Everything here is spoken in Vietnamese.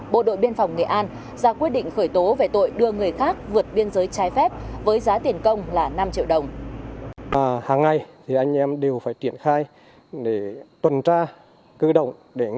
bộ đội biên phòng nghệ an ra quyết định khởi tố về tội đưa người khác vượt biên giới trái phép với giá tiền công là năm triệu đồng